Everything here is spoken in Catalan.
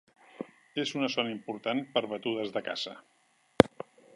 És una zona important per a batudes de caça.